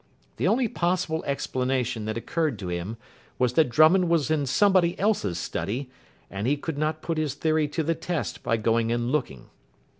The only possible explanation that occurred to him was that Drummond was in somebody else's study, and he could not put his theory to the test by going and looking.